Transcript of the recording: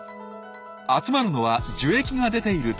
集まるのは樹液が出ているところ。